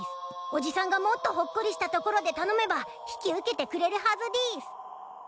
おじさんがもっとホッコリしたところで頼めば引き受けてくれるはずでぃす。